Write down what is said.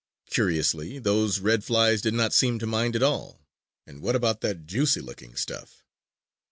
Curiously, those red flies did not seem to mind at all! And what about that juicy looking stuff?